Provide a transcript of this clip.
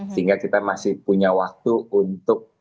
sehingga kita masih punya waktu untuk